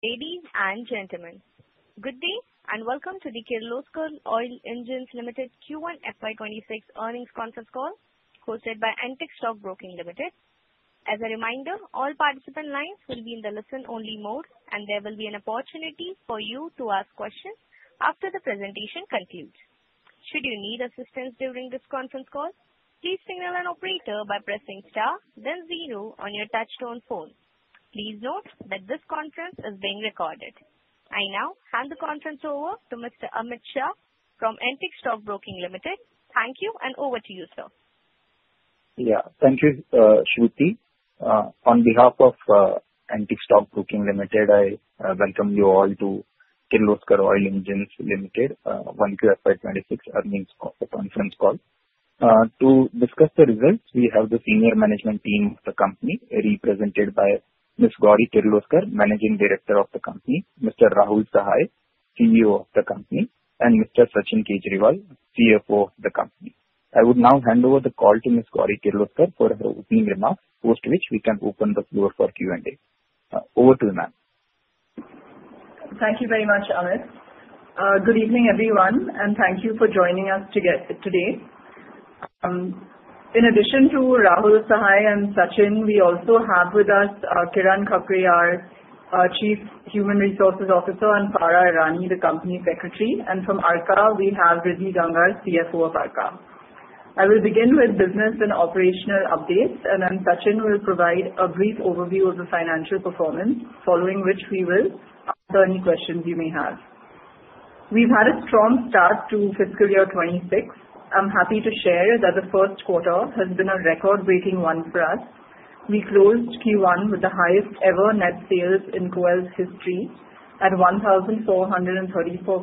Ladies and gentlemen, good day and welcome to the Kirloskar Oil Engines Limited Q1 FY 2026 earnings conference call, hosted by Antique Stock Broking Limited. As a reminder, all participant lines will be in the listen-only mode, and there will be an opportunity for you to ask questions after the presentation concludes. Should you need assistance during this conference call, please signal an operator by pressing star, then zero on your touch-tone phone. Please note that this conference is being recorded. I now hand the conference over to Mr. Amit Shah from Antique Stock Broking Limited. Thank you, and over to you, sir. Yeah, thank you, Shruti. On behalf of Antique Stock Broking Limited, I welcome you all to Kirloskar Oil Engines Limited 1Q FY 2026 earnings conference call. To discuss the results, we have the senior management team of the company, represented by Ms. Gauri Kirloskar, Managing Director of the company, Mr. Rahul Sahai, CEO of the company, and Mr. Sachin Kejriwal, CFO of the company. I would now hand over the call to Ms. Gauri Kirloskar for her opening remarks, post which we can open the floor for Q&A. Over to you Mam. Thank you very much, Amit. Good evening, everyone, and thank you for joining us today. In addition to Rahul Sahai and Sachin, we also have with us Kiran Bhagnure-Khapre, Chief Human Resources Officer, and Farah Irani, the company secretary. And from Arka, we have Ridhi Gangar, CFO of Arka. I will begin with business and operational updates, and then Sachin will provide a brief overview of the financial performance, following which we will answer any questions you may have. We've had a strong start to fiscal year 2026. I'm happy to share that the first quarter has been a record-breaking one for us. We closed Q1 with the highest-ever net sales in KOEL's history at 1,434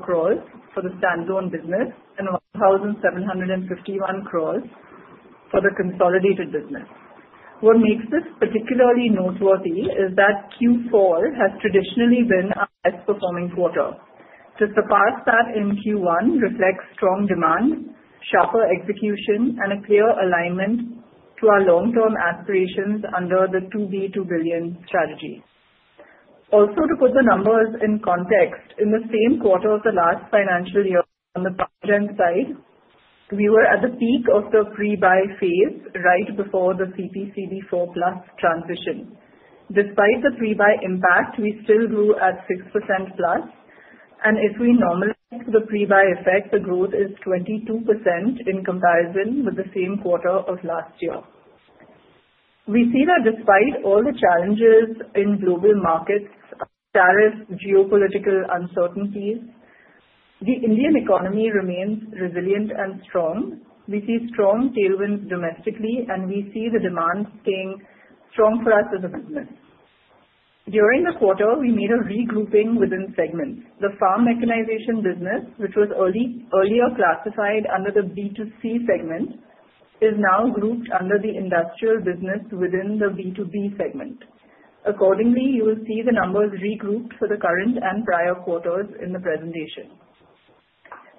crore for the standalone business and 1,751 crore for the consolidated business. What makes this particularly noteworthy is that Q4 has traditionally been a highest-performing quarter. To surpass that in Q1 reflects strong demand, sharper execution, and a clear alignment to our long-term aspirations under the 2B2B strategy. Also, to put the numbers in context, in the same quarter of the last financial year on the project side, we were at the peak of the pre-buy phase right before the CPCB IV+ transition. Despite the pre-buy impact, we still grew at 6%+, and if we normalize the pre-buy effect, the growth is 22% in comparison with the same quarter of last year. We see that despite all the challenges in global markets, tariffs, geopolitical uncertainties, the Indian economy remains resilient and strong. We see strong tailwinds domestically, and we see the demand staying strong for us as a business. During the quarter, we made a regrouping within segments. The farm mechanization business, which was earlier classified under the B2C segment, is now grouped under the industrial business within the B2B segment. Accordingly, you will see the numbers regrouped for the current and prior quarters in the presentation.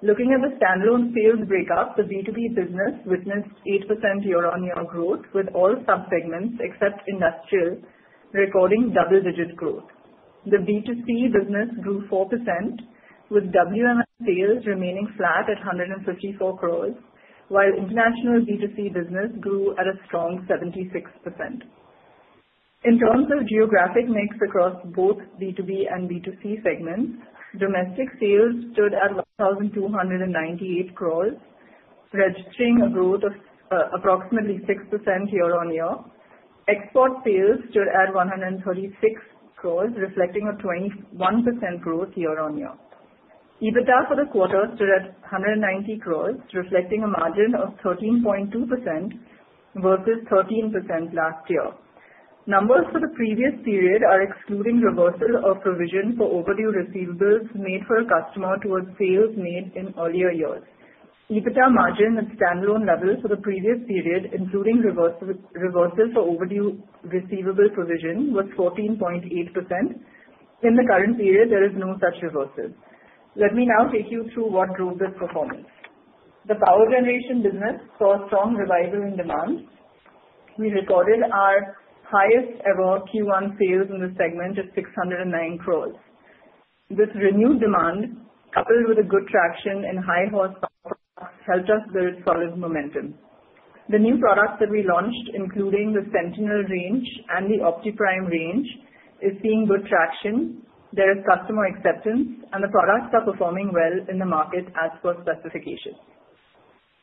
Looking at the standalone sales breakup, the B2B business witnessed 8% year-on-year growth with all subsegments except industrial recording double-digit growth. The B2C business grew 4%, with WMS sales remaining flat at 154 crore, while international B2C business grew at a strong 76%. In terms of geographic mix across both B2B and B2C segments, domestic sales stood at 1,298 crore, registering a growth of approximately 6% year-on-year. Export sales stood at 136 crore, reflecting a 21% growth year-on-year. EBITDA for the quarter stood at 190 crore, reflecting a margin of 13.2% versus 13% last year. Numbers for the previous period are excluding reversal of provision for overdue receivables made for a customer towards sales made in earlier years. EBITDA margin at standalone level for the previous period, including reversal for overdue receivable provision, was 14.8%. In the current period, there is no such reversal. Let me now take you through what drove this performance. The power generation business saw a strong revival in demand. We recorded our highest-ever Q1 sales in the segment at 609 crore. This renewed demand, coupled with good traction in high-horsepower products, helped us build solid momentum. The new products that we launched, including the Sentinel range and the OptiPrime range, are seeing good traction. There is customer acceptance, and the products are performing well in the market as per specifications.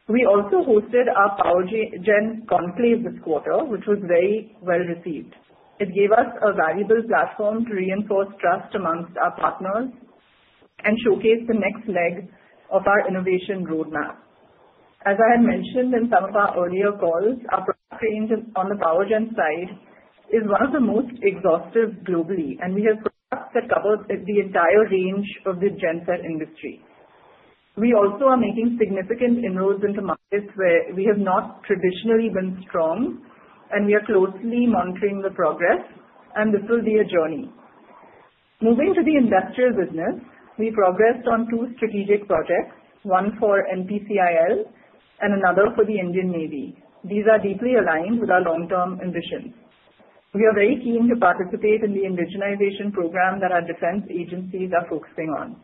We also hosted our PowerGen conclave this quarter, which was very well received. It gave us a valuable platform to reinforce trust among our partners and showcase the next leg of our innovation roadmap. As I had mentioned in some of our earlier calls, our product range on the PowerGen side is one of the most exhaustive globally, and we have products that cover the entire range of the gen set industry. We also are making significant inroads into markets where we have not traditionally been strong, and we are closely monitoring the progress, and this will be a journey. Moving to the industrial business, we progressed on two strategic projects, one for NPCIL and another for the Indian Navy. These are deeply aligned with our long-term ambitions. We are very keen to participate in the indigenization program that our defense agencies are focusing on.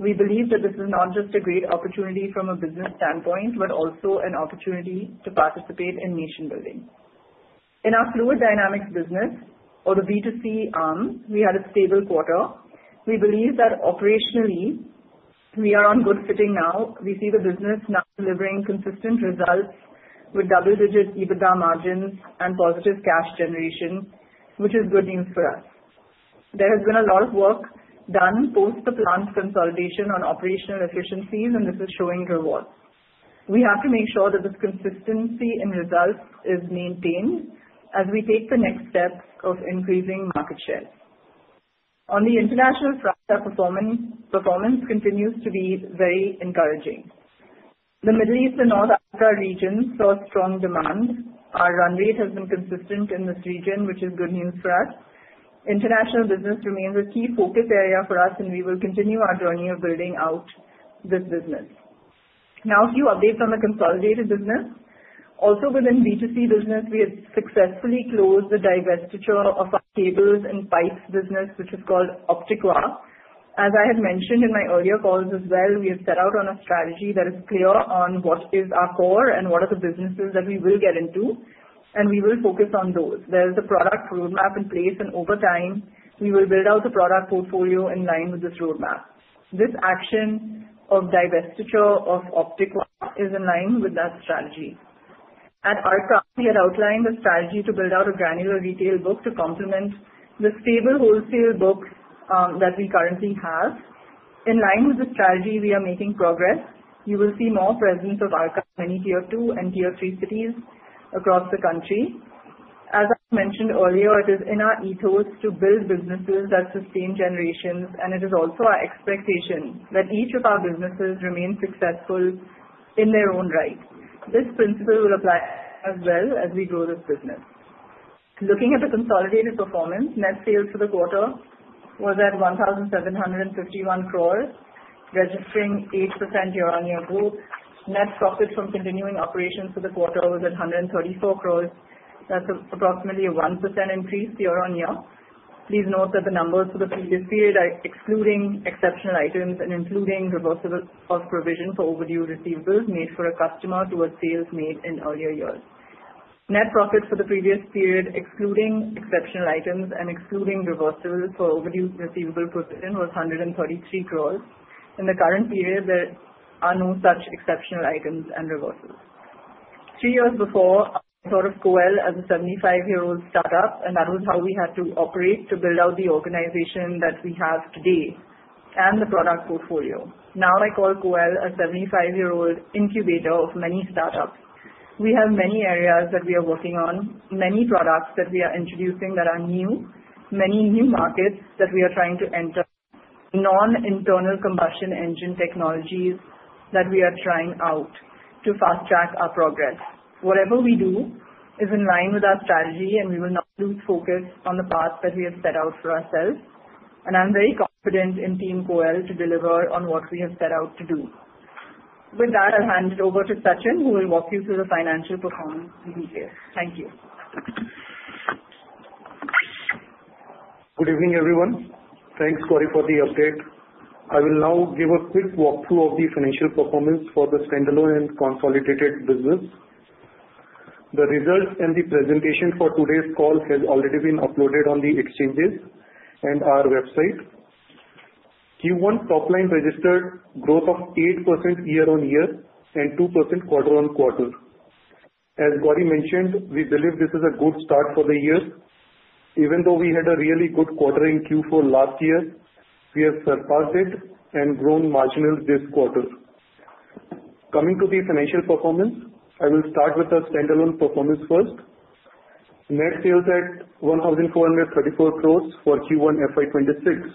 We believe that this is not just a great opportunity from a business standpoint, but also an opportunity to participate in nation-building. In our fluid dynamics business, or the B2C arm, we had a stable quarter. We believe that operationally, we are on good footing now. We see the business now delivering consistent results with double-digit EBITDA margins and positive cash generation, which is good news for us. There has been a lot of work done post the plant consolidation on operational efficiencies, and this is showing rewards. We have to make sure that this consistency in results is maintained as we take the next step of increasing market share. On the international front, our performance continues to be very encouraging. The Middle East and North Africa region saw strong demand. Our run rate has been consistent in this region, which is good news for us. International business remains a key focus area for us, and we will continue our journey of building out this business. Now, a few updates on the consolidated business. Also, within B2C business, we have successfully closed the divestiture of our cables and pipes business, which is called Optiqua. As I had mentioned in my earlier calls as well, we have set out on a strategy that is clear on what is our core and what are the businesses that we will get into, and we will focus on those. There is a product roadmap in place, and over time, we will build out a product portfolio in line with this roadmap. This action of divestiture of Optiqua is in line with that strategy. At Arka, we had outlined a strategy to build out a granular retail book to complement the stable wholesale book that we currently have. In line with the strategy, we are making progress. You will see more presence of Arka in any Tier 2 and Tier 3 cities across the country. As I mentioned earlier, it is in our ethos to build businesses that sustain generations, and it is also our expectation that each of our businesses remain successful in their own right. This principle will apply as well as we grow this business. Looking at the consolidated performance, net sales for the quarter was at 1,751 crore, registering 8% year-on-year growth. Net profit from continuing operations for the quarter was at 134 crore. That's approximately a 1% increase year-on-year. Please note that the numbers for the previous period are excluding exceptional items and including reversal of provision for overdue receivables made for a customer towards sales made in earlier years. Net profit for the previous period, excluding exceptional items and excluding reversal for overdue receivable provision, was 133 crore. In the current period, there are no such exceptional items and reversals. Three years before, I thought of KOEL as a 75-year-old startup, and that was how we had to operate to build out the organization that we have today and the product portfolio. Now, I call KOEL a 75-year-old incubator of many startups. We have many areas that we are working on, many products that we are introducing that are new, many new markets that we are trying to enter, non-internal combustion engine technologies that we are trying out to fast-track our progress. Whatever we do is in line with our strategy, and we will not lose focus on the path that we have set out for ourselves. I'm very confident in Team KOEL to deliver on what we have set out to do. With that, I'll hand it over to Sachin, who will walk you through the financial performance in detail. Thank you. Good evening, everyone. Thanks, Gauri, for the update. I will now give a quick walkthrough of the financial performance for the standalone and consolidated business. The results and the presentation for today's call have already been uploaded on the exchanges and our website. Q1 top-line registered growth of 8% year-on-year and 2% quarter-on-quarter. As Gauri mentioned, we believe this is a good start for the year. Even though we had a really good quarter in Q4 last year, we have surpassed it and grown margins this quarter. Coming to the financial performance, I will start with the standalone performance first. Net sales at 1,434 crore for Q1 FY 2026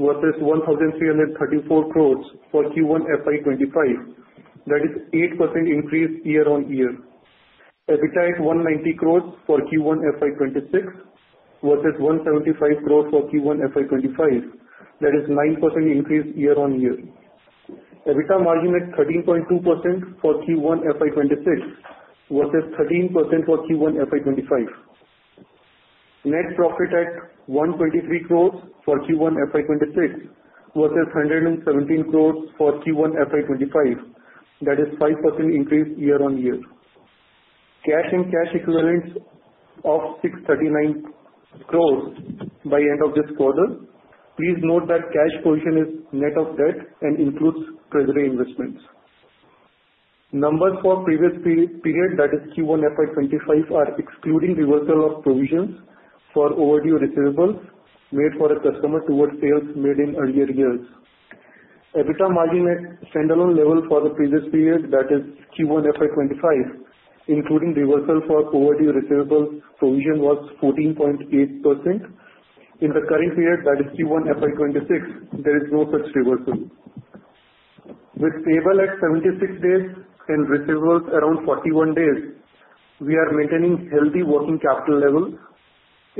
versus 1,334 crore for Q1 FY 2025. That is 8% increase year-on-year. EBITDA at INR 190 crore for Q1 FY 2026 versus 175 crore for Q1 FY 2025. That is 9% increase year-on-year. EBITDA margin at 13.2% for Q1 FY 2026 versus 13% for Q1 FY 2025. Net profit at INR 123 crore for Q1 FY 2026 versus INR 117 crore for Q1 FY 2025. That is 5% increase year-on-year. Cash and cash equivalents of 639 crore by end of this quarter. Please note that cash position is net of debt and includes treasury investments. Numbers for previous period, that is Q1 FY 2025, are excluding reversal of provisions for overdue receivables made for a customer towards sales made in earlier years. EBITDA margin at standalone level for the previous period, that is Q1 FY 2025, including reversal for overdue receivables provision, was 14.8%. In the current period, that is Q1 FY 2026, there is no such reversal. With payables at 76 days and receivables around 41 days, we are maintaining healthy working capital levels.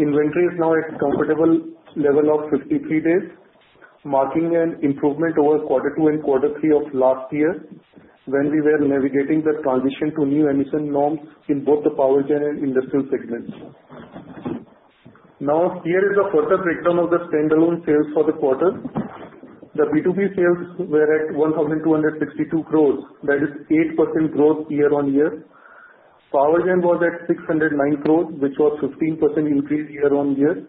Inventory is now at a comfortable level of 53 days, marking an improvement over quarter two and quarter three of last year when we were navigating the transition to new emission norms in both the Power Gen and industrial segments. Now, here is a further breakdown of the standalone sales for the quarter. The B2B sales were at 1,262 crore. That is 8% growth year-on-year. Power Gen was at 609 crore, which was 15% increase year-on-year.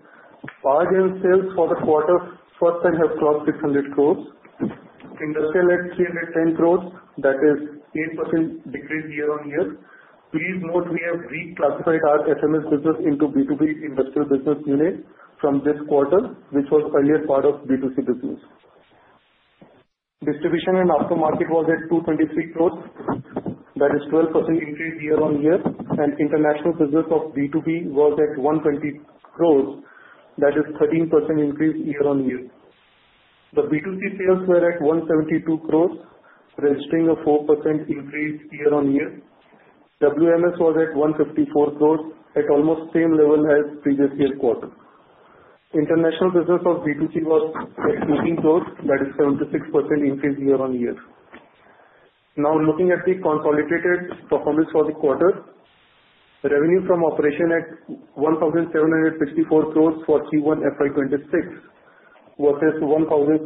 Power Gen sales for the quarter first time have crossed 600 crore. Industrial at 310 crore. That is 8% decrease year-on-year. Please note, we have reclassified our SMS business into B2B industrial business unit from this quarter, which was earlier part of B2C business. Distribution and aftermarket was at 223 crore. That is 12% increase year-on-year. And international business of B2B was at 120 crore. That is 13% increase year-on-year. The B2C sales were at 172 crore, registering a 4% increase year-on-year. WMS was at 154 crore, at almost same level as previous year quarter. International business of B2C was at INR 18 crore. That is 76% increase year-on-year. Now, looking at the consolidated performance for the quarter, revenue from operation at 1,764 crore for Q1 FY 2026 versus 1,632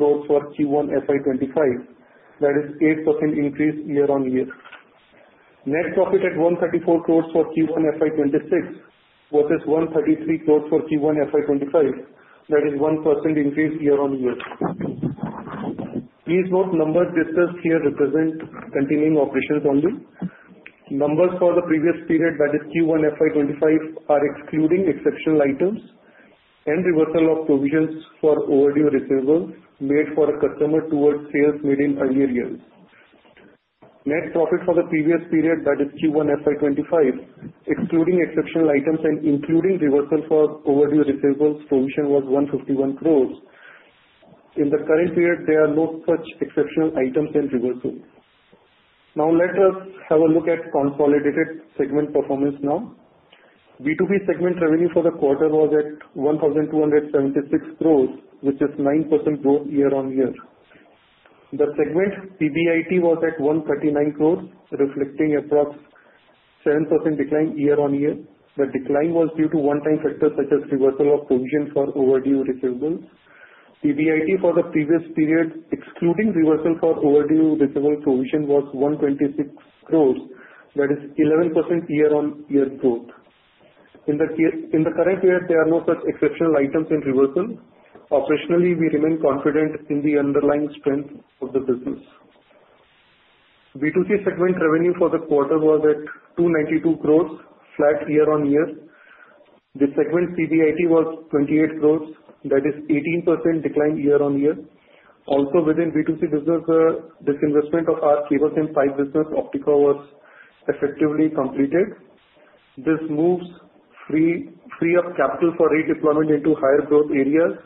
crore for Q1 FY 2025. That is 8% increase year-on-year. Net profit at 134 crores for Q1 FY26 versus 133 crore for Q1 FY 2025. That is 1% increase year-on-year. Please note, numbers discussed here represent continuing operations only. Numbers for the previous period, that is Q1 FY 2025, are excluding exceptional items and reversal of provisions for overdue receivables made for a customer towards sales made in earlier years. Net profit for the previous period, that is Q1 FY 2025, excluding exceptional items and including reversal for overdue receivables provision, was 151 crore. In the current period, there are no such exceptional items and reversal. Now, let us have a look at consolidated segment performance now. B2B segment revenue for the quarter was at 1,276 crore, which is 9% growth year-on-year. The segment PBIT was at 139 crore, reflecting approximately 7% decline year-on-year. The decline was due to one-time factors such as reversal of provision for overdue receivables. PBIT for the previous period, excluding reversal for overdue receivables provision, was 126 crore. That is 11% year-on-year growth. In the current period, there are no such exceptional items and reversal. Operationally, we remain confident in the underlying strength of the business. B2C segment revenue for the quarter was at 292 crore, flat year-on-year. The segment PBIT was 28 crore. That is 18% decline year-on-year. Also, within B2C business, the disinvestment of our cables and pipe business, Optiqua, was effectively completed. This move frees capital for redeployment into higher growth areas,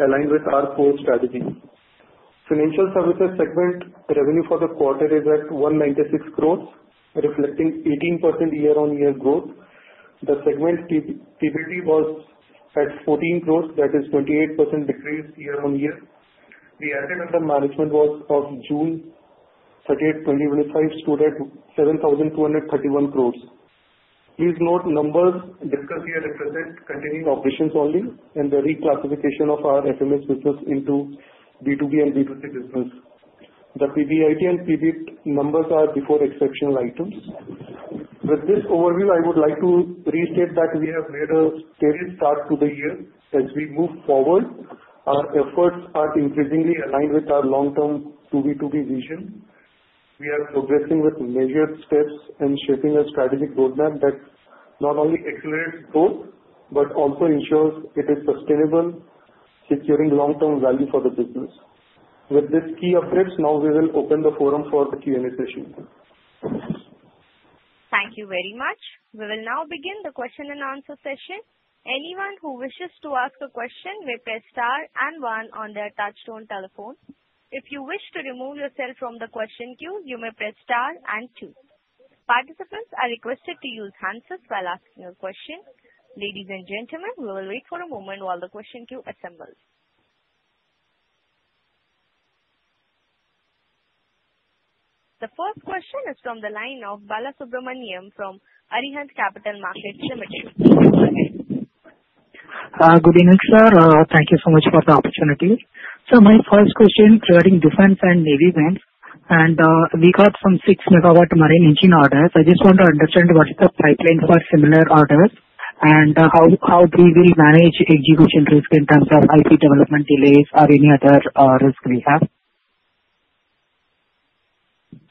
aligned with our core strategy. Financial services segment revenue for the quarter is at 196 crore, reflecting 18% year-on-year growth. The segment PBIT was at 14 crore. That is 28% decrease year-on-year. The asset under management as of June 30th, 2025, stood at 7,231 crore. Please note, numbers discussed here represent continuing operations only and the reclassification of our SMS business into B2B and B2C business. The PBIT and PBIT numbers are before exceptional items. With this overview, I would like to restate that we have made a steady start to the year. As we move forward, our efforts are increasingly aligned with our long-term B2B vision. We are progressing with measured steps and shaping a strategic roadmap that not only accelerates growth but also ensures it is sustainable, securing long-term value for the business. With these key updates, now we will open the floor for the Q&A session. Thank you very much. We will now begin the question and answer session. Anyone who wishes to ask a question may press star and one on their touch-tone telephone. If you wish to remove yourself from the question queue, you may press star and two. Participants are requested to use handsets while asking a question. Ladies and gentlemen, we will wait for a moment while the question queue assembles. The first question is from the line of Balasubramaniam from Arihant Capital Markets Limited. Good evening, sir. Thank you so much for the opportunity. So my first question is regarding defense and naval engines, and we got some six-megawatt marine engine orders. I just want to understand what is the pipeline for similar orders and how we will manage execution risk in terms of IP development delays or any other risk we have.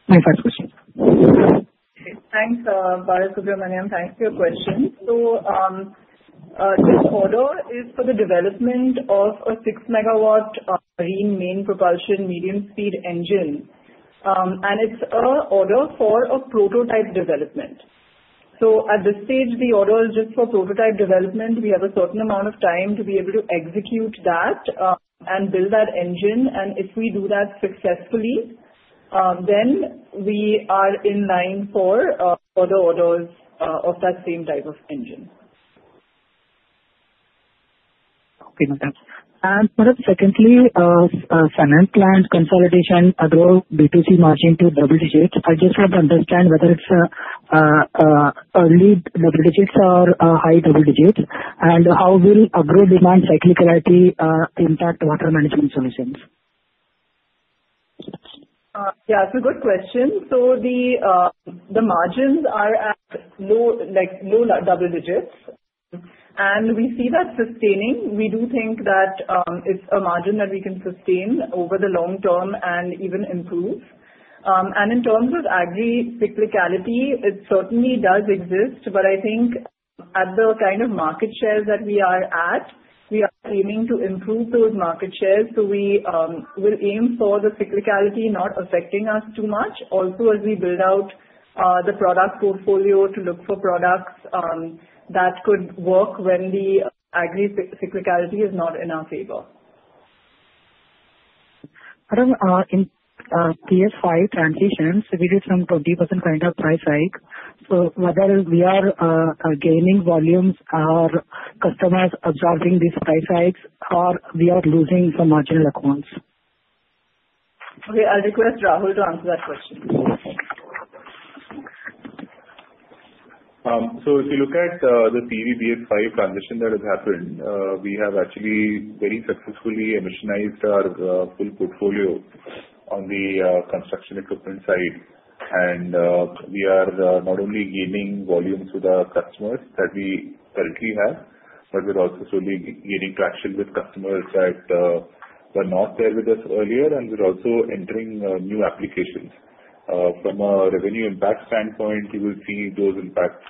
My first question. Thanks, Balasubramaniam. Thanks for your question. So this order is for the development of a 6 MW marine main propulsion medium-speed engine. And it's an order for a prototype development. So at this stage, the order is just for prototype development. We have a certain amount of time to be able to execute that and build that engine. And if we do that successfully, then we are in line for other orders of that same type of engine. Okay. Thanks. And for the secondly, finance plan consolidation, Agro B2C margin to double digits. I just want to understand whether it's early double digits or high double digits, and how will Agro demand cyclicality impact water management solutions? Yeah, it's a good question. So the margins are at low double digits. And we see that sustaining. We do think that it's a margin that we can sustain over the long term and even improve. And in terms of agri cyclicality, it certainly does exist. But I think at the kind of market shares that we are at, we are aiming to improve those market shares. So we will aim for the cyclicality not affecting us too much, also as we build out the product portfolio to look for products that could work when the agri cyclicality is not in our favor. And then, in BS5 transitions, we did some 20% kind of price hike. So whether we are gaining volumes or customers absorbing these price hikes, or we are losing some marginal accounts? Okay. I'll request Rahul to answer that question. If you look at the CEV BS5 transition that has happened, we have actually very successfully emissionized our full portfolio on the construction equipment side. And we are not only gaining volumes with our customers that we currently have, but we're also slowly gaining traction with customers that were not there with us earlier. And we're also entering new applications. From a revenue impact standpoint, you will see those impacts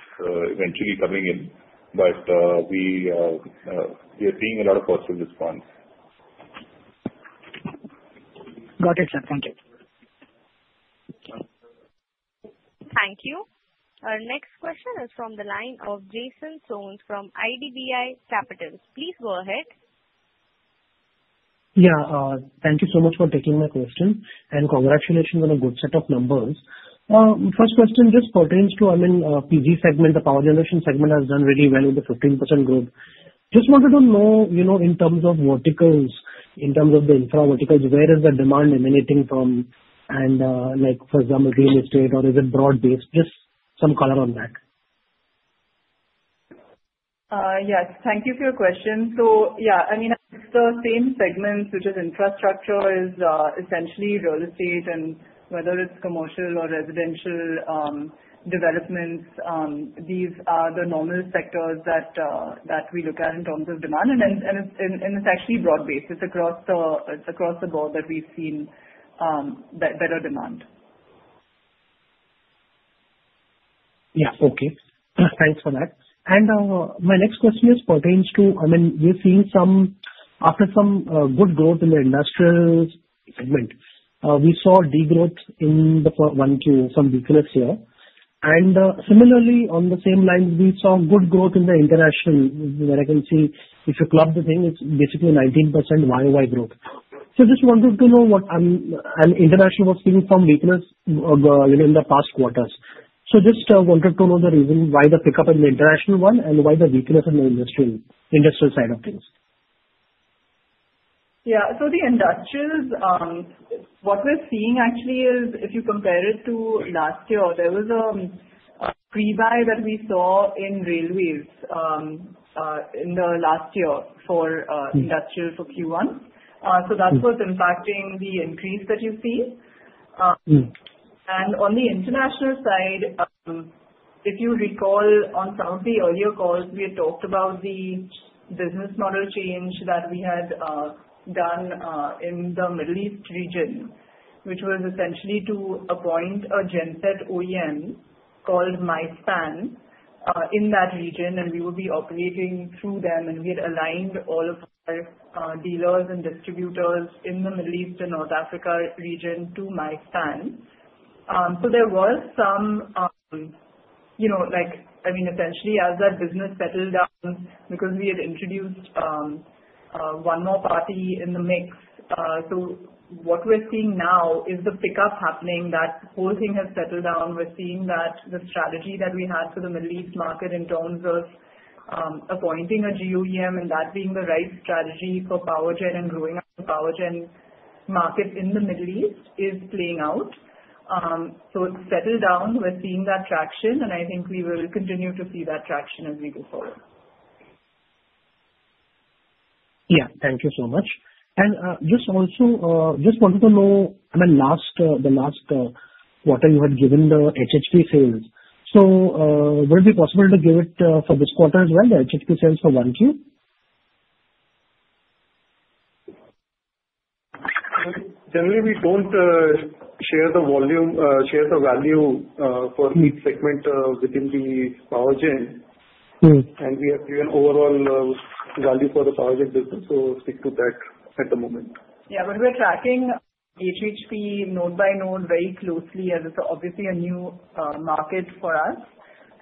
eventually coming in. But we are seeing a lot of positive response. Got it, sir. Thank you. Thank you. Our next question is from the line of Jason Soans from IDBI Capital. Please go ahead. Yeah. Thank you so much for taking my question. And congratulations on a good set of numbers. First question just pertains to, I mean, PG segment. The power generation segment has done really well with the 15% growth. Just wanted to know, in terms of verticals, in terms of the infra verticals, where is the demand emanating from? And for example, real estate, or is it broad-based? Just some color on that. Yes. Thank you for your question. So yeah, I mean, it's the same segments, which is infrastructure, is essentially real estate, and whether it's commercial or residential developments, these are the normal sectors that we look at in terms of demand, and it's actually broad-based. It's across the board that we've seen better demand. Yeah. Okay. Thanks for that. And my next question is pertains to, I mean, we've seen some after some good growth in the industrial segment, we saw degrowth in the one to some weakness here. And similarly, on the same line, we saw good growth in the international, where I can see if you club the thing, it's basically 19% YoY growth. So just wanted to know what international was feeling from weakness in the past quarters. So just wanted to know the reason why the pickup in the international one and why the weakness in the industrial side of things. Yeah. So the industrials, what we're seeing actually is if you compare it to last year, there was a pre-buy that we saw in railways in the last year for industrial for Q1. So that was impacting the increase that you see. And on the international side, if you recall, on some of the earlier calls, we had talked about the business model change that we had done in the Middle East region, which was essentially to appoint a Genset OEM called My Span in that region. And we would be operating through them. And we had aligned all of our dealers and distributors in the Middle East and North Africa region to My Span. So there was some, I mean, essentially, as that business settled down, because we had introduced one more party in the mix. So what we're seeing now is the pickup happening. That whole thing has settled down. We're seeing that the strategy that we had for the Middle East market in terms of appointing a GOEM and that being the right strategy for Power Gen and growing up the Power Gen market in the Middle East is playing out. So it's settled down. We're seeing that traction. And I think we will continue to see that traction as we go forward. Yeah. Thank you so much. And just wanted to know, I mean, the last quarter, you had given the HHP sales. So would it be possible to give it for this quarter as well, the HHP sales for 1Q? Generally, we don't share the volume, share the value for each segment within the Power Gen. And we have given overall value for the Power Gen business. So stick to that at the moment. Yeah, but we're tracking HHP node by node very closely as it's obviously a new market for us,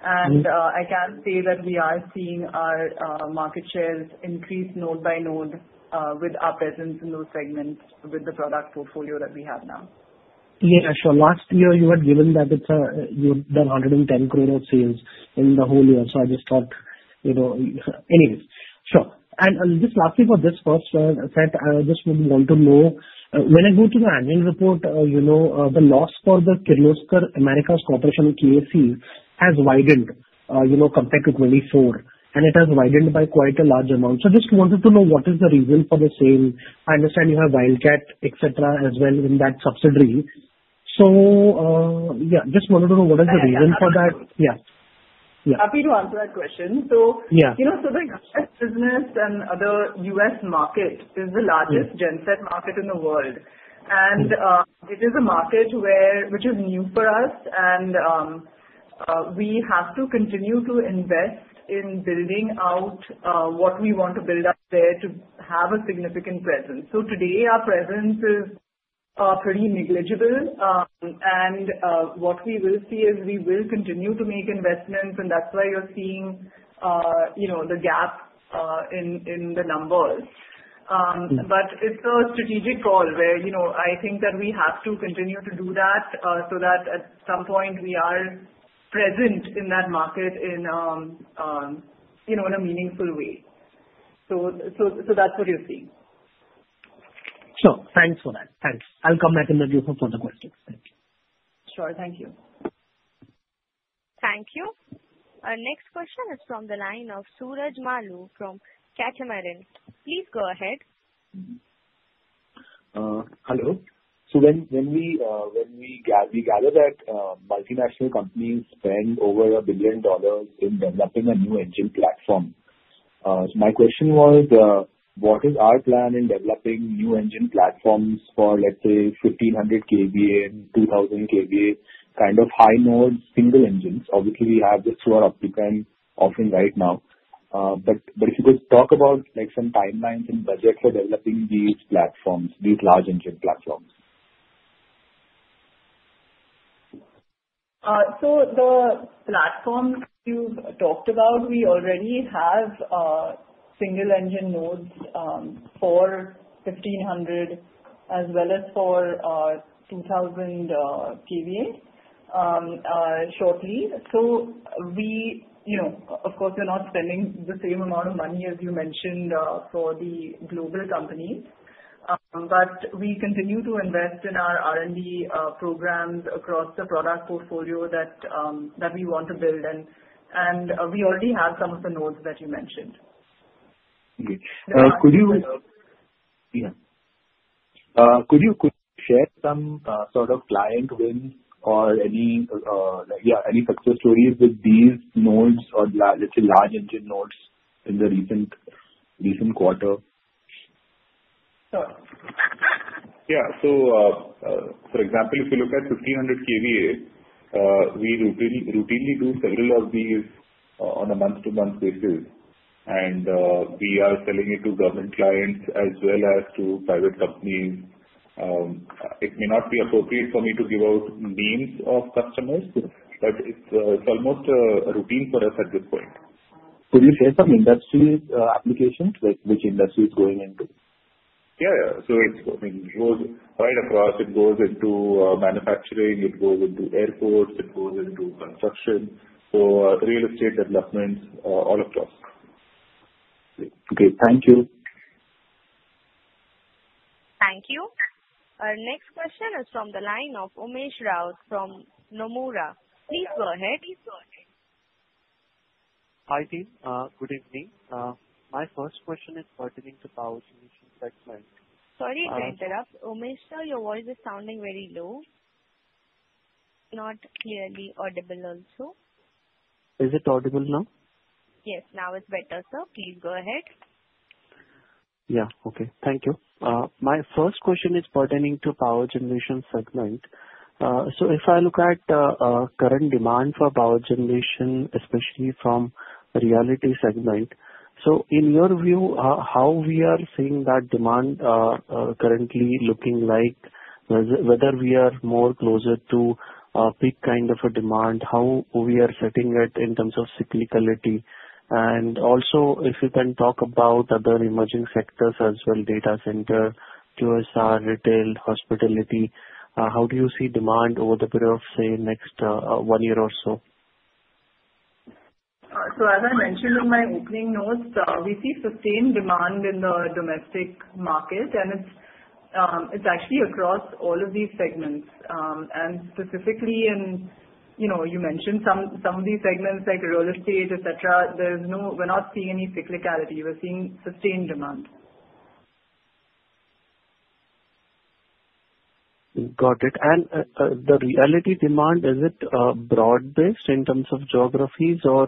and I can say that we are seeing our market shares increase node by node with our presence in those segments with the product portfolio that we have now. Yeah. Sure. Last year, you had given that you had done 110 crore of sales in the whole year. So I just thought, anyways. Sure. And just lastly for this first set, I just would want to know, when I go to the annual report, the loss for the Kirloskar Americas Corporation KAC has widened compared to 24. And it has widened by quite a large amount. So just wanted to know what is the reason for the same. I understand you have Wildcat, etc., as well in that subsidiary. So yeah, just wanted to know what is the reason for that. Yeah. Happy to answer that question, so the U.S. business and the U.S. market is the largest Genset market in the world, and it is a market which is new for us, and we have to continue to invest in building out what we want to build up there to have a significant presence, so today, our presence is pretty negligible, and what we will see is we will continue to make investments, and that's why you're seeing the gap in the numbers, but it's a strategic call where I think that we have to continue to do that so that at some point, we are present in that market in a meaningful way, so that's what you're seeing. Sure. Thanks for that. Thanks. I'll come back and look for further questions. Thank you. Sure. Thank you. Thank you. Our next question is from the line of Suraj Malu from Catamaran. Please go ahead. Hello. So when we gather that multinational companies spend over $1 billion in developing a new engine platform, my question was, what is our plan in developing new engine platforms for, let's say, 1,500 kVA, 2,000 kVA, kind of high-end single engines? Obviously, we have the current product offering right now. But if you could talk about some timelines and budget for developing these large engine platforms. So the platforms you've talked about, we already have single engine nodes for 1,500 kVA as well as for 2,000 kVA shortly. So we, of course, we're not spending the same amount of money as you mentioned for the global companies. But we continue to invest in our R&D programs across the product portfolio that we want to build. And we already have some of the nodes that you mentioned. Could you share some sort of client win or, yeah, any success stories with these OEMs or large engine OEMs in the recent quarter? Yeah, so for example, if you look at 1,500 kVA, we routinely do several of these on a month-to-month basis, and we are selling it to government clients as well as to private companies. It may not be appropriate for me to give out names of customers, but it's almost a routine for us at this point. Could you share some industry applications? Which industry is going into? Yeah. So it goes right across. It goes into manufacturing. It goes into airports. It goes into construction or real estate developments, all across. Okay. Thank you. Thank you. Our next question is from the line of Umesh Rao from Nomura. Please go ahead. Hi, team. Good evening. My first question is pertaining to power solutions segment. Sorry to interrupt. Umesh, sir, your voice is sounding very low. Not clearly audible also. Is it audible now? Yes. Now it's better, sir. Please go ahead. Yeah. Okay. Thank you. My first question is pertaining to power generation segment. So if I look at current demand for power generation, especially from realty segment, so in your view, how we are seeing that demand currently looking like, whether we are more closer to peak kind of a demand, how we are setting it in terms of cyclicality? And also, if you can talk about other emerging sectors as well, data center, QSR, retail, hospitality, how do you see demand over the period of, say, next one year or so? As I mentioned in my opening notes, we see sustained demand in the domestic market. It's actually across all of these segments. Specifically, you mentioned some of these segments like real estate, etc. We're not seeing any cyclicality. We're seeing sustained demand. Got it. And the retail demand, is it broad-based in terms of geographies, or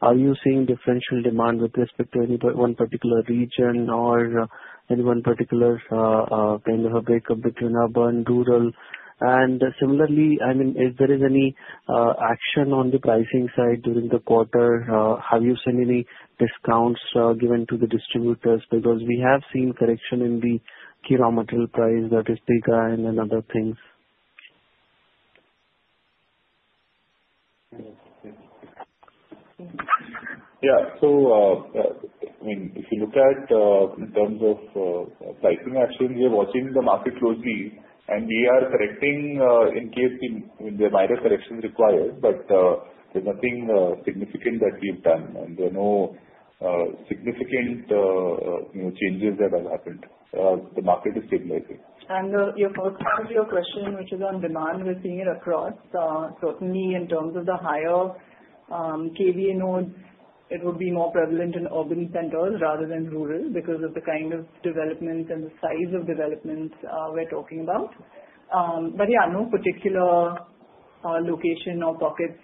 are you seeing differential demand with respect to any one particular region or any one particular kind of a breakup between urban and rural? And similarly, I mean, if there is any action on the pricing side during the quarter, have you seen any discounts given to the distributors? Because we have seen correction in the commodity price, that is, billets and other things. Yeah. So I mean, if you look at in terms of pricing action, we're watching the market closely. And we are correcting in case there are minor corrections required, but there's nothing significant that we've done. And there are no significant changes that have happened. The market is stabilizing. Your first part of your question, which is on demand, we're seeing it across. Certainly, in terms of the higher kVA nodes, it would be more prevalent in urban centers rather than rural because of the kind of development and the size of developments we're talking about. But yeah, no particular location or pockets.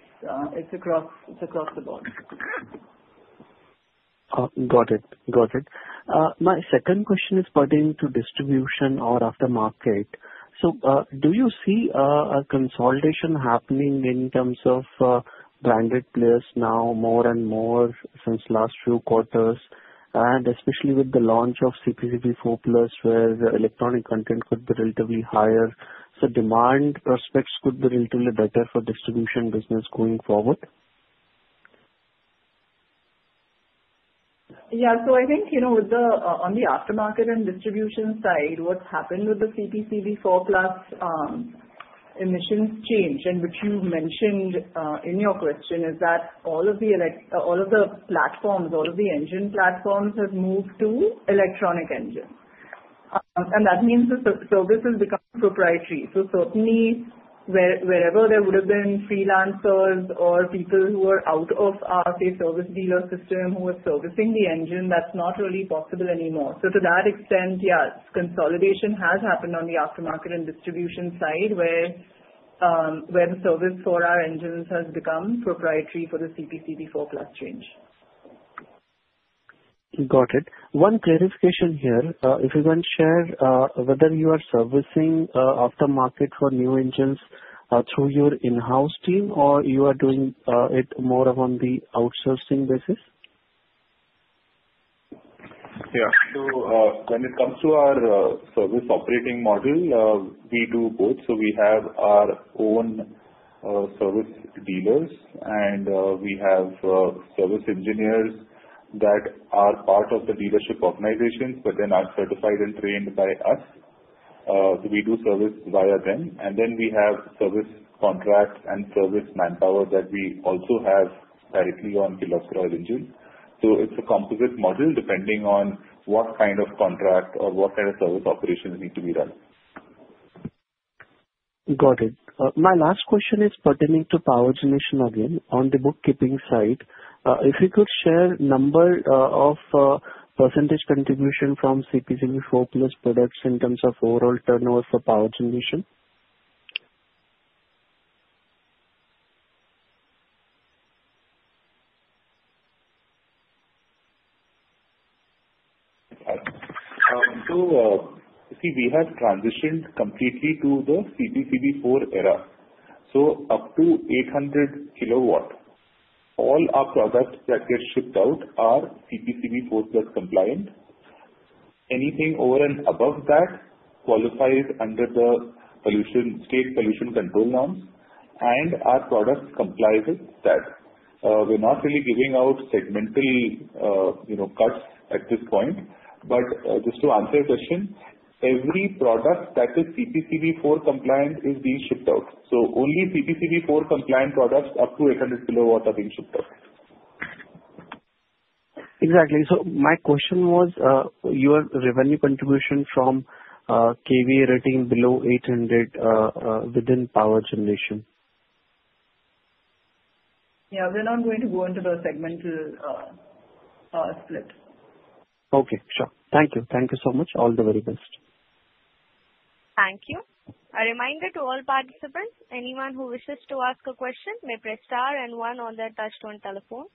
It's across the board. Got it. Got it. My second question is pertaining to distribution or aftermarket. So do you see a consolidation happening in terms of branded players now more and more since last few quarters, and especially with the launch of CPCB IV+ where electronic content could be relatively higher? So demand prospects could be relatively better for distribution business going forward? Yeah. So I think on the aftermarket and distribution side, what's happened with the CPCB IV+ emissions change, which you mentioned in your question, is that all of the platforms, all of the engine platforms have moved to electronic engines. And that means the service has become proprietary. So certainly, wherever there would have been freelancers or people who are out of our, say, service dealer system who are servicing the engine, that's not really possible anymore. So to that extent, yeah, consolidation has happened on the aftermarket and distribution side where the service for our engines has become proprietary for the CPCB IV+ change. Got it. One clarification here. If you can share whether you are servicing aftermarket for new engines through your in-house team, or you are doing it more on the outsourcing basis? Yeah. So when it comes to our service operating model, we do both. So we have our own service dealers, and we have service engineers that are part of the dealership organizations, but then are certified and trained by us. So we do service via them. And then we have service contracts and service manpower that we also have directly on Kirloskar Engines. So it's a composite model depending on what kind of contract or what kind of service operations need to be done. Got it. My last question is pertaining to power generation again. On the bookkeeping side, if you could share number of percentage contribution from CPCB IV+ products in terms of overall turnover for power generation? See, we have transitioned completely to the CPCB IV era. Up to 800 kW, all our products that get shipped out are CPCB IV+ compliant. Anything over and above that qualifies under the state pollution control norms. Our products comply with that. We're not really giving out segmental cuts at this point. Just to answer your question, every product that is CPCB IV compliant is being shipped out. Only CPCB IV compliant products up to 800 kW are being shipped out. Exactly. So my question was, your revenue contribution from kVA rating below 800 kVA within power generation? Yeah. We're not going to go into the segmental split. Okay. Sure. Thank you. Thank you so much. All the very best. Thank you. A reminder to all participants, anyone who wishes to ask a question may press star and one on their touch-tone telephone.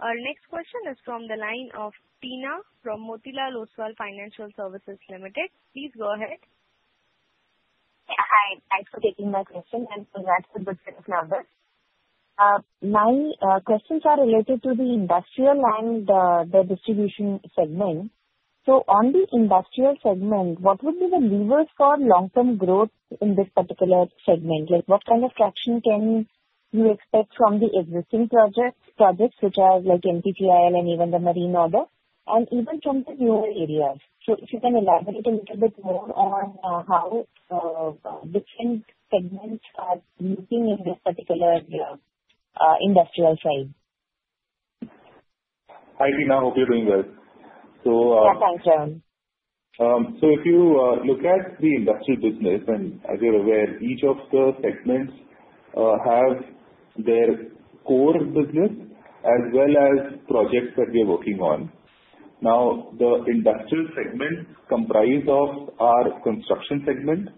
Our next question is from the line of Teena from Motilal Oswal Financial Services Limited. Please go ahead. Hi. Thanks for taking my question. And that's the good thing now. My questions are related to the industrial and the distribution segment. So on the industrial segment, what would be the levers for long-term growth in this particular segment? What kind of traction can you expect from the existing projects, such as NPCIL and even the marine order, and even from the newer areas? So if you can elaborate a little bit more on how different segments are looking in this particular industrial side? Hi, Tina. Hope you're doing well. Yeah. Thanks, Sahai. If you look at the industrial business, and as you're aware, each of the segments have their core business as well as projects that we are working on. Now, the industrial segment comprised of our construction segment.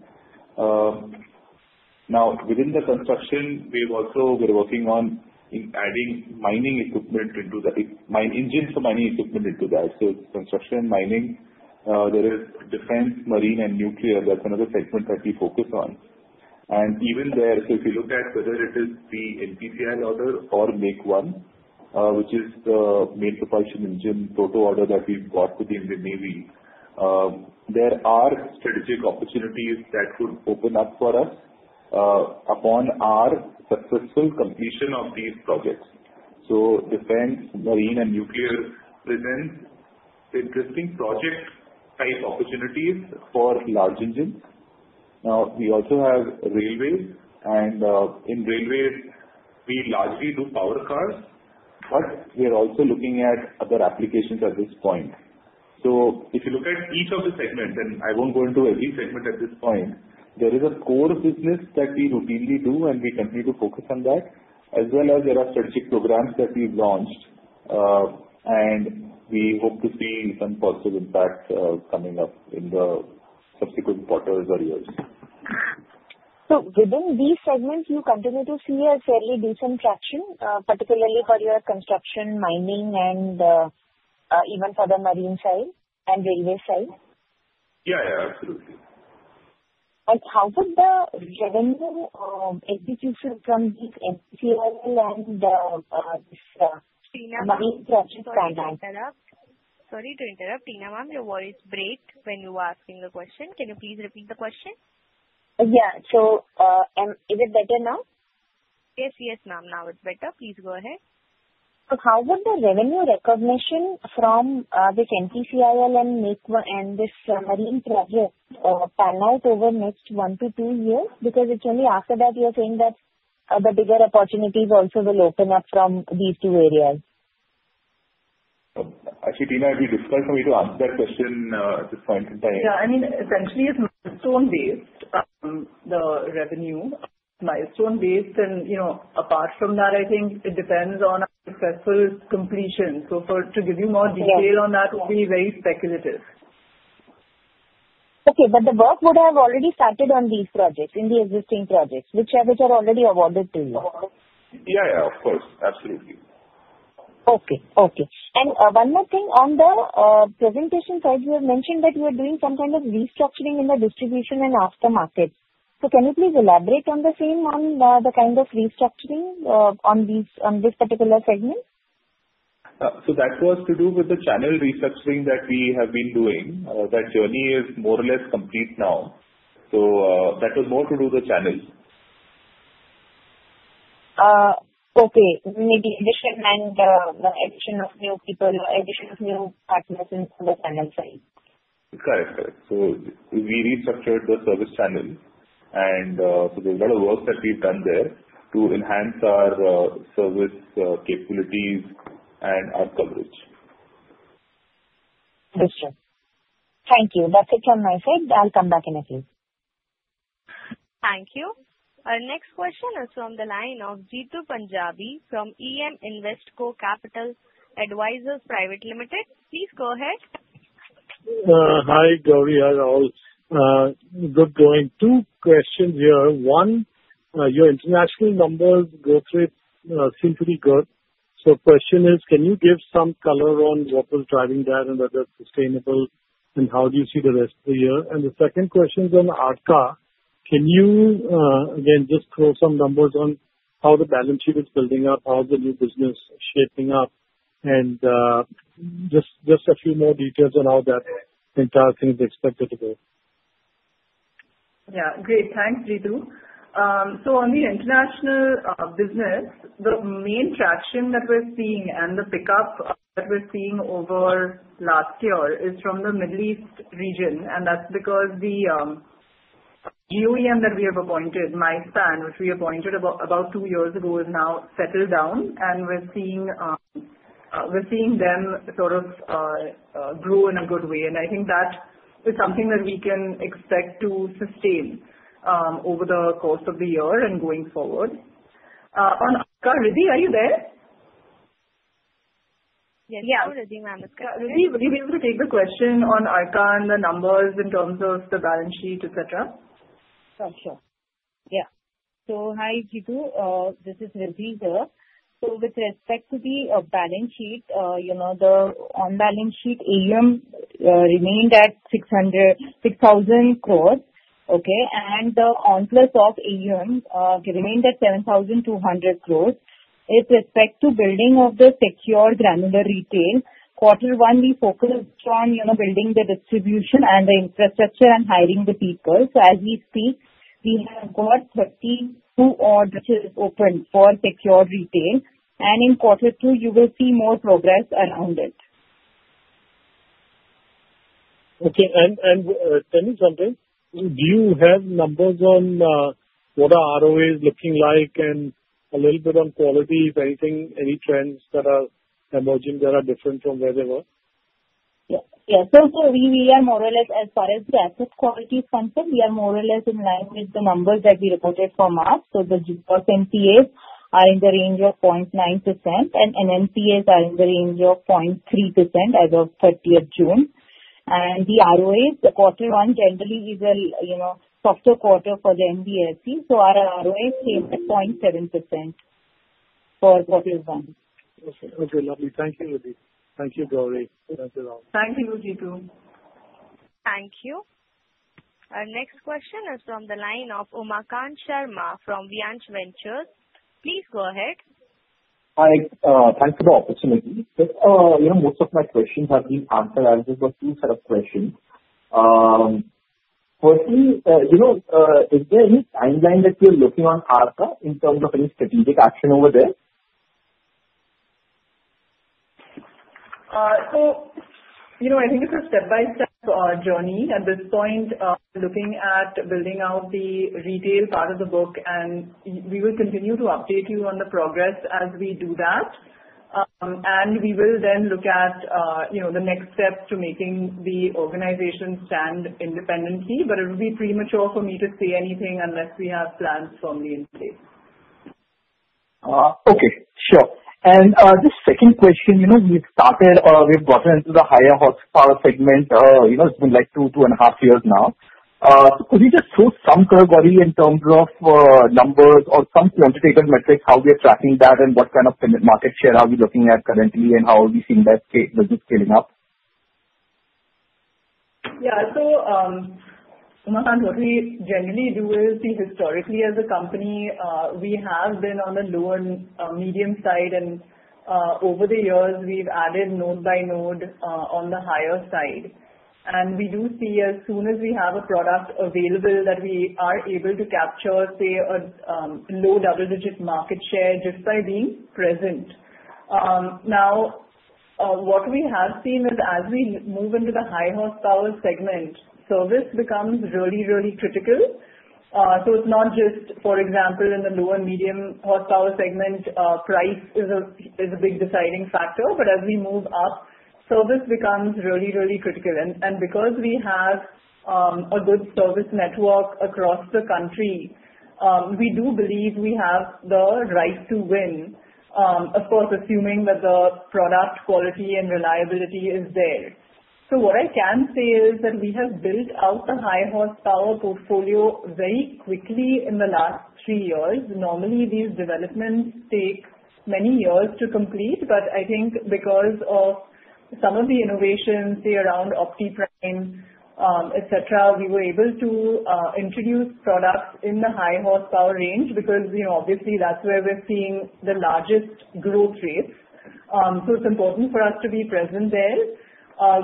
Now, within the construction, we're also working on adding mining equipment into that, engines for mining equipment into that. So construction, mining, there is defense, marine, and nuclear. That's another segment that we focus on. And even there, so if you look at whether it is the NPCIL order or Make-I, which is the main propulsion engine proto order that we bought with the Indian Navy, there are strategic opportunities that could open up for us upon our successful completion of these projects. So defense, marine, and nuclear present interesting project-type opportunities for large engines. Now, we also have railways. In railways, we largely do power cars, but we're also looking at other applications at this point. If you look at each of the segments, and I won't go into every segment at this point, there is a core business that we routinely do, and we continue to focus on that, as well as there are strategic programs that we've launched. We hope to see some positive impact coming up in the subsequent quarters or years. So within these segments, you continue to see a fairly decent traction, particularly for your construction, mining, and even for the marine side and railway side. Yeah. Yeah. Absolutely. How would the revenue execution from these NPCIL and these marine projects come out? Sorry to interrupt. Teena ma'am, your voice broke when you were asking the question. Can you please repeat the question? Yeah. So is it better now? Yes. Yes, ma'am. Now it's better. Please go ahead. So how would the revenue recognition from this NPCIL and this marine project pan out over the next one to two years? Because it's only after that you're saying that the bigger opportunities also will open up from these two areas. Actually, Teena, if you disclose for me to answer that question at this point in time. Yeah. I mean, essentially, it's milestone-based, the revenue. Milestone-based. And apart from that, I think it depends on successful completion. So to give you more detail on that would be very speculative. Okay. But the work would have already started on these projects, in the existing projects, which are already awarded to you? Yeah. Yeah. Of course. Absolutely. Okay. Okay. And one more thing. On the presentation side, you have mentioned that you are doing some kind of restructuring in the distribution and aftermarket. So can you please elaborate on the same on the kind of restructuring on this particular segment? So that was to do with the channel restructuring that we have been doing. That journey is more or less complete now. So that was more to do with the channels. Okay. With the addition of new people and addition of new partners in the channel side. Correct. Correct. So we restructured the service channel. And there's a lot of work that we've done there to enhance our service capabilities and our coverage. Understood. Thank you. That's it from my side. I'll come back in a few. Thank you. Our next question is from the line of Jeetu Panjabi from EM Investco Capital Advisors. Please go ahead. Hi, Gauri. Hi, Rahul. Good going. Two questions here. One, your international numbers go through seem to be good. So question is, can you give some color on what was driving that and whether it's sustainable, and how do you see the rest of the year? And the second question is on Arka. Can you, again, just throw some numbers on how the balance sheet is building up, how the new business is shaping up, and just a few more details on how that entire thing is expected to go? Yeah. Great. Thanks, Jeetu. The international business shows the main traction that we're seeing and the pickup that we're seeing over last year from the Middle East region. That's because the GOEM that we have appointed, Misan, which we appointed about two years ago, is now settled down. We're seeing them sort of grow in a good way. I think that is something that we can expect to sustain over the course of the year and going forward. On Arka, Ridhi, are you there? Yes. Yeah. Ridhi, ma'am, is good. Ridhi, will you be able to take the question on Arka and the numbers in terms of the balance sheet, etc.? Sure. Sure. Yeah. So hi, Jeetu. This is Ridhi here. So with respect to the balance sheet, the on-balance sheet AUM remained at 6,000 crore, okay, and the off-balance sheet AUM remained at 7,200 crore. With respect to building of the secured granular retail, quarter one, we focused on building the distribution and the infrastructure and hiring the people. So as we speak, we have got 32 orders open for secured retail. And in quarter two, you will see more progress around it. Okay. And tell me something. Do you have numbers on what our ROA is looking like and a little bit on quality, if anything, any trends that are emerging that are different from where they were? Yeah. So we are more or less, as far as the asset quality is concerned, we are more or less in line with the numbers that we reported for March. So the GNPAs are in the range of 0.9%, and NNPAs are in the range of 0.3% as of 30th June. And the ROAs, quarter one generally is a softer quarter for the NBFC. So our ROA stayed at 0.7% for quarter one. Okay. Okay. Lovely. Thank you, Ridhi. Thank you, Gauri. Thank you, Rahul. Thank you, Jeetu. Thank you. Our next question is from the line of Umakant Sharma from Viansh Ventures. Please go ahead. Hi. Thanks for the opportunity. Most of my questions have been answered. I just have a few set of questions. Firstly, is there any timeline that we are looking on Arka in terms of any strategic action over there? So I think it's a step-by-step journey at this point, looking at building out the retail part of the book. And we will continue to update you on the progress as we do that. And we will then look at the next steps to making the organization stand independently. But it will be premature for me to say anything unless we have plans firmly in place. Okay. Sure. And this second question, we've started or we've gotten into the higher horsepower segment. It's been like two, two and a half years now. Could you just throw some light, Gauri, in terms of numbers or some quantitative metrics, how we are tracking that and what kind of market share are we looking at currently and how are we seeing that business scaling up? Yeah. So Umakant, what we generally do is see historically as a company, we have been on the lower medium side. And over the years, we've added node by node on the higher side. And we do see as soon as we have a product available that we are able to capture, say, a low double-digit market share just by being present. Now, what we have seen is as we move into the high horsepower segment, service becomes really, really critical. So it's not just, for example, in the lower medium horsepower segment, price is a big deciding factor. But as we move up, service becomes really, really critical. And because we have a good service network across the country, we do believe we have the right to win, of course, assuming that the product quality and reliability is there. So what I can say is that we have built out the high horsepower portfolio very quickly in the last three years. Normally, these developments take many years to complete. But I think because of some of the innovations, say, around OptiPrime, etc., we were able to introduce products in the high horsepower range because, obviously, that's where we're seeing the largest growth rates. So it's important for us to be present there.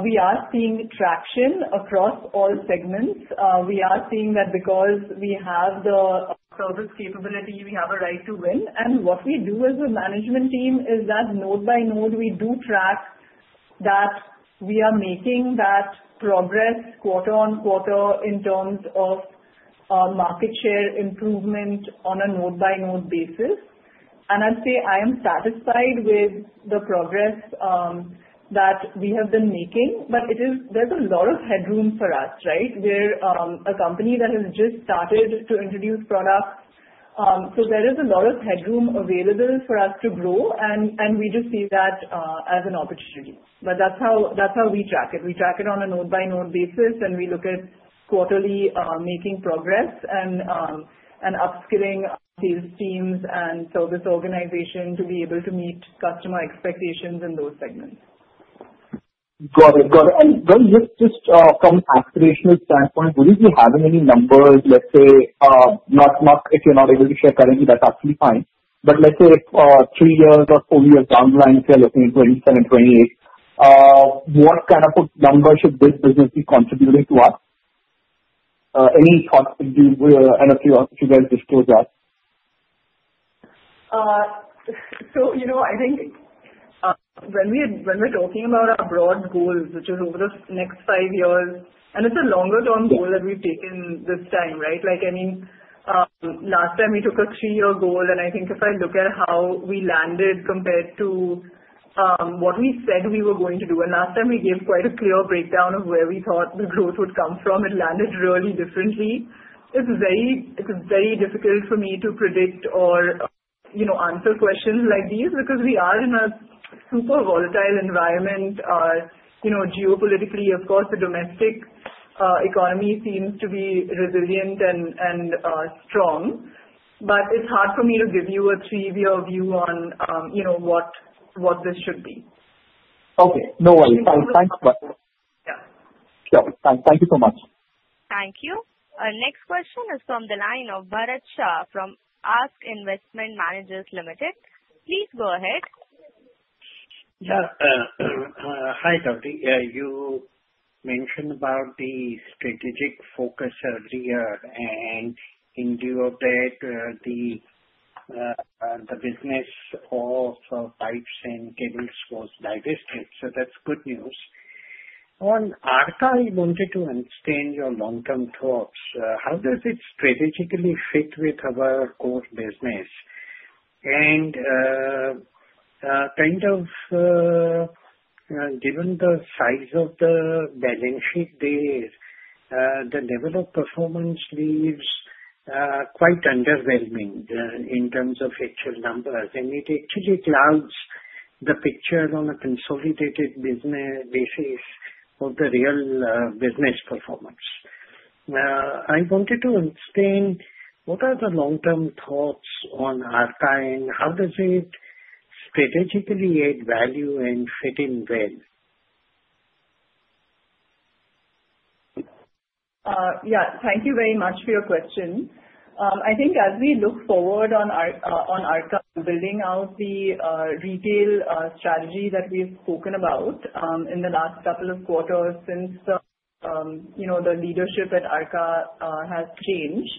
We are seeing traction across all segments. We are seeing that because we have the service capability, we have a right to win. And what we do as a management team is that node by node, we do track that we are making that progress quarter on quarter in terms of market share improvement on a node by node basis. And I'd say I am satisfied with the progress that we have been making. But there's a lot of headroom for us, right, where a company that has just started to introduce products. So there is a lot of headroom available for us to grow. And we just see that as an opportunity. But that's how we track it. We track it on a node by node basis, and we look at quarterly making progress and upskilling sales teams and service organization to be able to meet customer expectations in those segments. Got it. Got it. And just from an aspirational standpoint, would you be having any numbers, let's say, not if you're not able to share currently, that's absolutely fine. But let's say three years or four years down the line, if you're looking at 2027, 2028, what kind of numbers should this business be contributing to us? Any thoughts and curiosity you guys just told us? So I think when we're talking about our broad goals, which is over the next five years, and it's a longer-term goal that we've taken this time, right? I mean, last time we took a three-year goal. And I think if I look at how we landed compared to what we said we were going to do, and last time we gave quite a clear breakdown of where we thought the growth would come from, it landed really differently. It's very difficult for me to predict or answer questions like these because we are in a super volatile environment. Geopolitically, of course, the domestic economy seems to be resilient and strong. But it's hard for me to give you a three-year view on what this should be. Okay. No worries. Thanks for that. Yeah. Yeah. Thank you so much. Thank you. Our next question is from the line of Bharat Shah from ASK Investment Managers Limited. Please go ahead. Yeah. Hi, Gauri. You mentioned about the strategic focus earlier. And in view of that, the business of pipes and cables was divested. So that's good news. On Arka, I wanted to understand your long-term thoughts. How does it strategically fit with our core business? And kind of given the size of the balance sheet there, the level of performance leaves quite underwhelming in terms of actual numbers. And it actually clouds the picture on a consolidated business basis of the real business performance. I wanted to understand what are the long-term thoughts on Arka and how does it strategically add value and fit in well? Yeah. Thank you very much for your question. I think as we look forward on Arka and building out the retail strategy that we've spoken about in the last couple of quarters since the leadership at Arka has changed,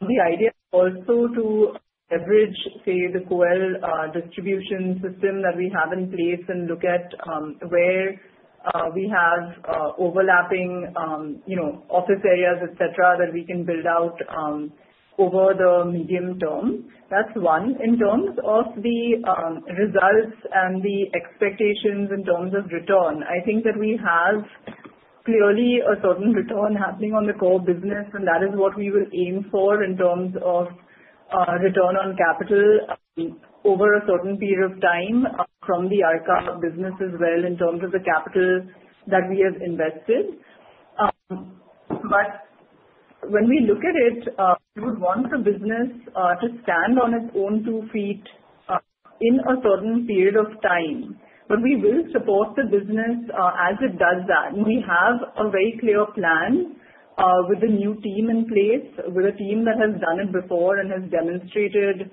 the idea is also to leverage, say, the KOEL distribution system that we have in place and look at where we have overlapping office areas, etc., that we can build out over the medium term. That's one. In terms of the results and the expectations in terms of return, I think that we have clearly a certain return happening on the core business. And that is what we will aim for in terms of return on capital over a certain period of time from the Arka business as well in terms of the capital that we have invested. But when we look at it, we would want the business to stand on its own two feet in a certain period of time. But we will support the business as it does that. We have a very clear plan with a new team in place, with a team that has done it before and has demonstrated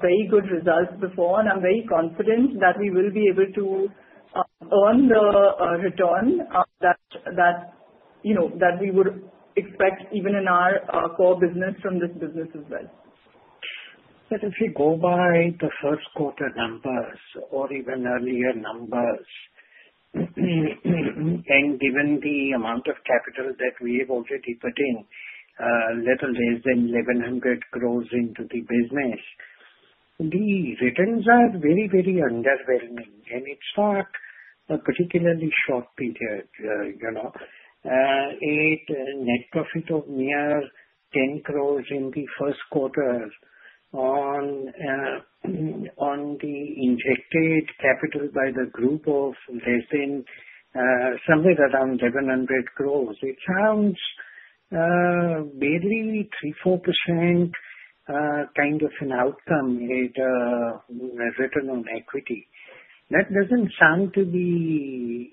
very good results before. And I'm very confident that we will be able to earn the return that we would expect even in our core business from this business as well. But if we go by the first quarter numbers or even earlier numbers, and given the amount of capital that we have already put in, little less than 1,100 crore into the business, the returns are very, very underwhelming. And it's not a particularly short period. Its net profit of near 10 crore in the first quarter on the injected capital by the group of less than somewhere around 1,100 crore. It sounds barely 3%-4% kind of an outcome with return on equity. That doesn't sound to be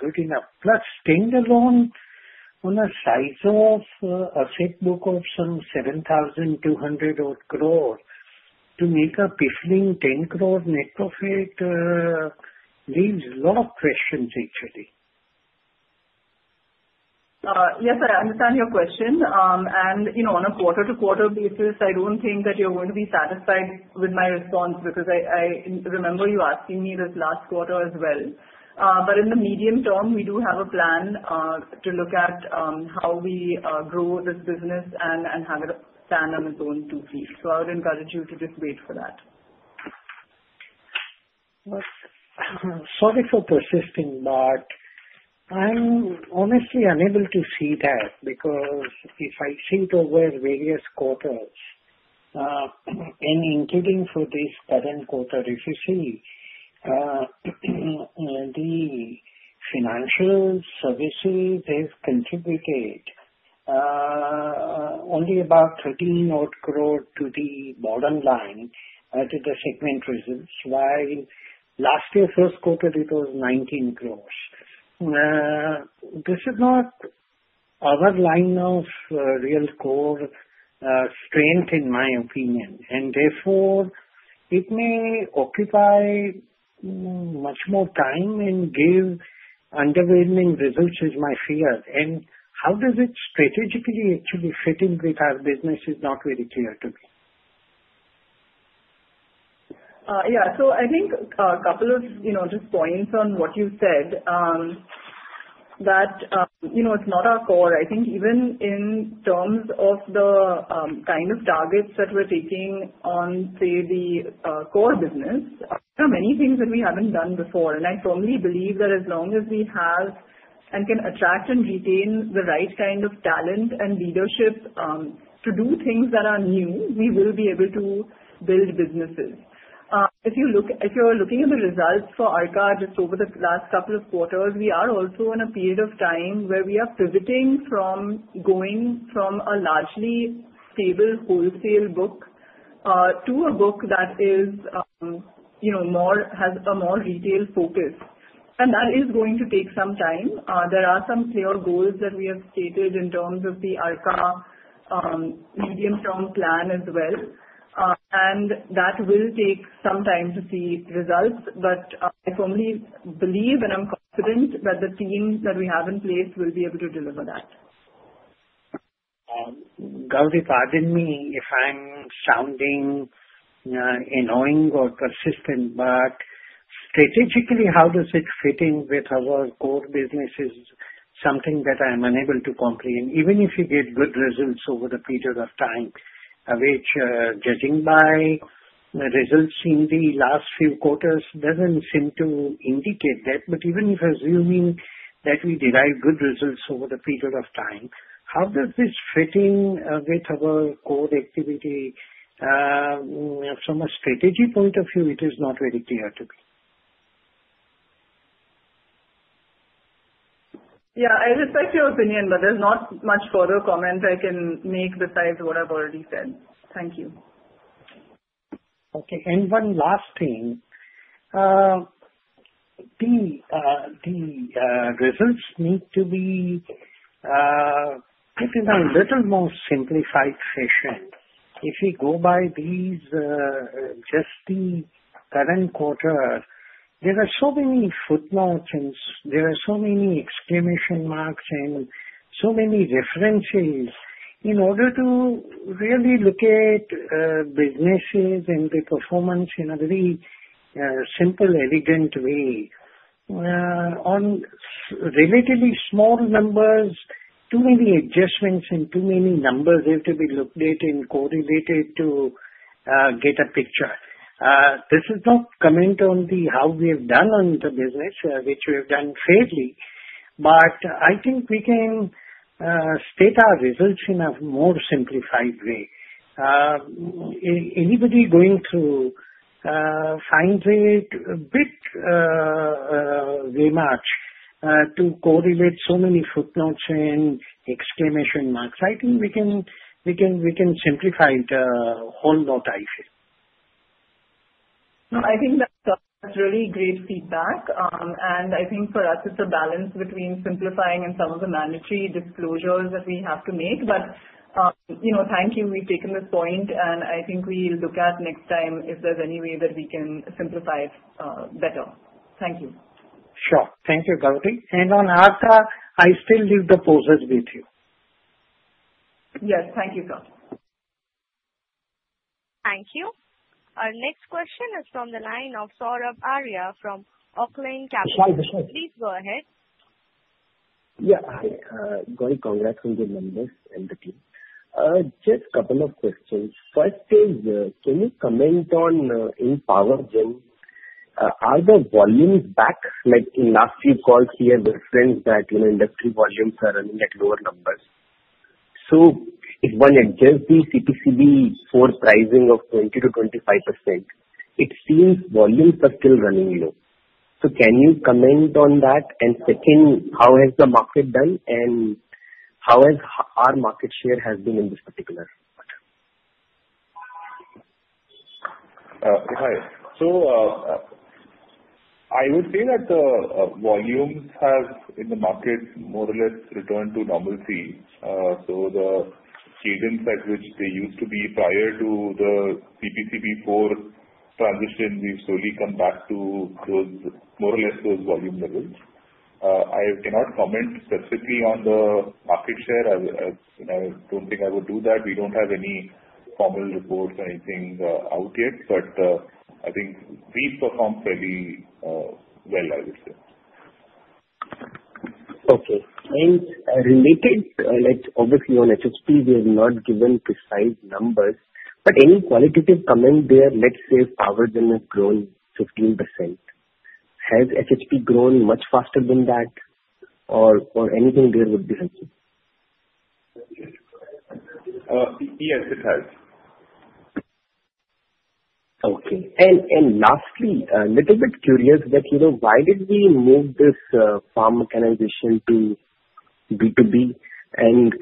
good enough. Plus, standalone on a size of asset book of some 7,200 crore to make a piffling 10 crore net profit leaves a lot of questions, actually. Yes, I understand your question, and on a quarter-to-quarter basis, I don't think that you're going to be satisfied with my response because I remember you asking me this last quarter as well, but in the medium term, we do have a plan to look at how we grow this business and have it stand on its own two feet, so I would encourage you to just wait for that. Sorry for persisting, but I'm honestly unable to see that because if I see it over various quarters, and including for this current quarter, if you see, the financial services have contributed only about 13-odd crore to the bottom line to the segment results, while last year, first quarter, it was 19 crore. This is not our line of real core strength, in my opinion. And therefore, it may occupy much more time and give underwhelming results, is my fear. And how does it strategically actually fit in with our business is not very clear to me. Yeah. So I think a couple of just points on what you said, that it's not our core. I think even in terms of the kind of targets that we're taking on, say, the core business, there are many things that we haven't done before, and I firmly believe that as long as we have and can attract and retain the right kind of talent and leadership to do things that are new, we will be able to build businesses. If you're looking at the results for Arka just over the last couple of quarters, we are also in a period of time where we are pivoting from going from a largely stable wholesale book to a book that has a more retail focus, and that is going to take some time. There are some clear goals that we have stated in terms of the Arka medium-term plan as well. That will take some time to see results. I firmly believe and I'm confident that the team that we have in place will be able to deliver that. Gauri, pardon me if I'm sounding annoying or persistent, but strategically, how does it fit in with our core business is something that I'm unable to comprehend. Even if you get good results over the period of time, which judging by the results in the last few quarters doesn't seem to indicate that. But even if assuming that we derive good results over the period of time, how does this fit in with our core activity? From a strategy point of view, it is not very clear to me. Yeah. I respect your opinion, but there's not much further comment I can make besides what I've already said. Thank you. Okay. And one last thing. The results need to be given in a little more simplified fashion. If you go by just the current quarter, there are so many footnotes and there are so many exclamation marks and so many references in order to really look at businesses and the performance in a very simple, elegant way. On relatively small numbers, too many adjustments and too many numbers have to be looked at and correlated to get a picture. This is not a comment on how we have done on the business, which we have done fairly. But I think we can state our results in a more simplified way. Anybody going through finds it a bit very much to correlate so many footnotes and exclamation marks. I think we can simplify it a whole lot, I feel. No, I think that's really great feedback. And I think for us, it's a balance between simplifying and some of the mandatory disclosures that we have to make. But thank you. We've taken this point. And I think we'll look at next time if there's any way that we can simplify it better. Thank you. Sure. Thank you, Gauri, and on Arka, I still leave the floor with you. Yes. Thank you, sir. Thank you. Our next question is from the line of Sourabh Arya from Oaklane. Sorry, sorry. Please go ahead. Yeah. Hi, Gauri. Congrats on the numbers and the team. Just a couple of questions. First is, can you comment on in Power Gen, are the volumes back? In last few calls, we have referenced that industry volumes are running at lower numbers. So if one against the CPCB for pricing of 20%-25%, it seems volumes are still running low. So can you comment on that? And second, how has the market done and how has our market share has been in this particular quarter? Hi. So I would say that the volumes have, in the market, more or less returned to normalcy. So the cadence at which they used to be prior to the CPCB for transition, we've slowly come back to more or less those volume levels. I cannot comment specifically on the market share. I don't think I would do that. We don't have any formal reports or anything out yet. But I think we've performed fairly well, I would say. Okay. And related, obviously on HHP, we have not given precise numbers. But any qualitative comment there, let's say Power Gen has grown 15%. Has HHP grown much faster than that? Or anything there would be helpful? Yes, it has. Okay. And lastly, a little bit curious that why did we move this farm mechanization to B2B? And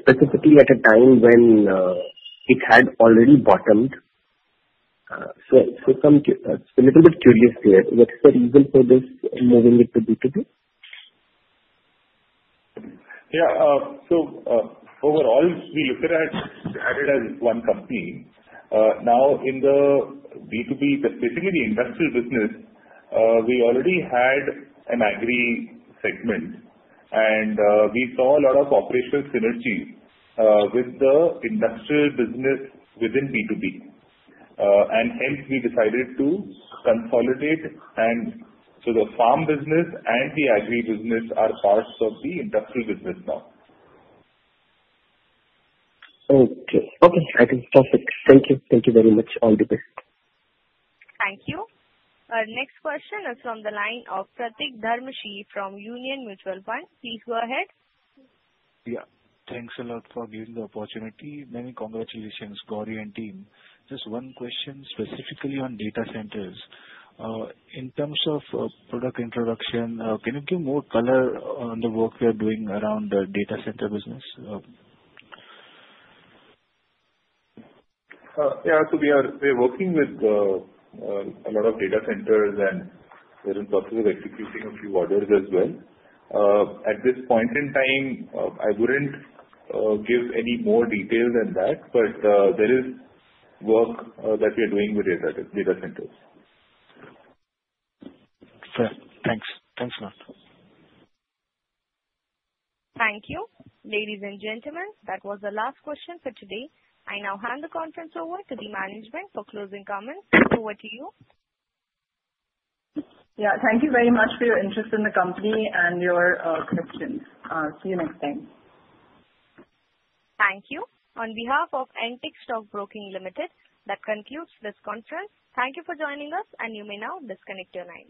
specifically at a time when it had already bottomed. A little bit curious there. What's the reason for this moving it to B2B? Yeah. So overall, we looked at it as one company. Now, in the B2B, specifically the industrial business, we already had an agri segment. And we saw a lot of operational synergy with the industrial business within B2B. And hence, we decided to consolidate. And so the farm business and the agri business are parts of the industrial business now. Okay. Okay. I can stop it. Thank you. Thank you very much. All the best. Thank you. Our next question is from the line of Pratik Dharamshi from Edelweiss Mutual Fund. Please go ahead. Yeah. Thanks a lot for giving the opportunity. Many congratulations, Gauri and team. Just one question specifically on data centers. In terms of product introduction, can you give more color on the work we are doing around the data center business? Yeah. So we are working with a lot of data centers and we're in the process of executing a few orders as well. At this point in time, I wouldn't give any more detail than that. But there is work that we are doing with data centers. Fair. Thanks. Thanks a lot. Thank you. Ladies and gentlemen, that was the last question for today. I now hand the conference over to the management for closing comments. Over to you. Yeah. Thank you very much for your interest in the company and your questions. See you next time. Thank you. On behalf of Antique Stock Broking Limited, that concludes this conference. Thank you for joining us, and you may now disconnect your line.